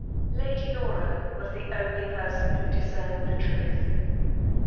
Lady Laura was the only pcBcaon who dis cerned the truth.